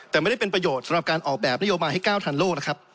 แต่ไม่ได้เป็นประโยชน์สำหรับการออกแบบนโยบายให้ก้าวทันโลกนะครับ